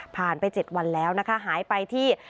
ผ่านไปเจ็ดวันแล้วนะคะหายไปที่